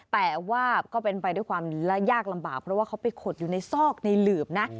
แต่ว่าก็เป็นไปด้วยความและยากลำบากเพราะว่าเขาไปขดอยู่ในซอกในหลืบนะ